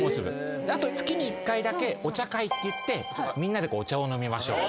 あと月に１回だけお茶会っていってみんなでお茶を飲みましょう。